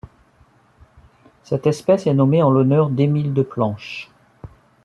Cette espèce est nommée en l'honneur d'Émile Deplanche.